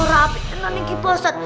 rapi kan anegi bosnya